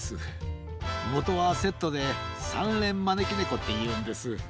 もとはセットでさんれんまねきねこっていうんです。